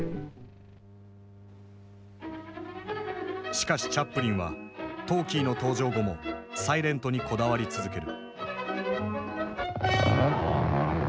しかしチャップリンはトーキーの登場後もサイレントにこだわり続ける。